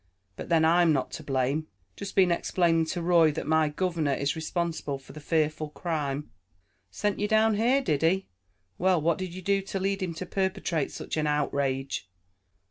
But then, I'm not to blame. Just been explaining to Roy, that my governor is responsible for the fearful crime." "Sent you down here, did he? Well, what did you do to lead him to perpetrate such an outrage?"